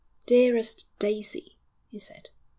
'Dearest Daisy!' he said.